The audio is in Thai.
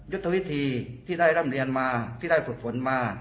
ยุทธวิธีที่ได้ร่ำเรียนมาที่ได้ฝึกฝนมา